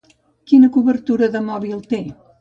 Quina cobertura de mòbil té?